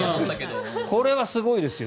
これはすごいですよ。